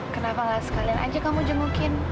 kenapa nggak sekalian aja kamu jamukin